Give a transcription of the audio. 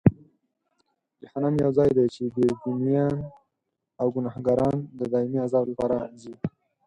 جهنم یو ځای دی چې بېدینان او ګناهکاران د دایمي عذاب لپاره ځي.